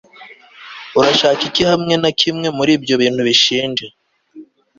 Urashaka iki hamwe na kimwe muri ibyo bintu bishinja